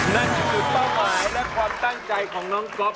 นั่นก็คือเป้าหมายและความตั้งใจของน้องก๊อฟ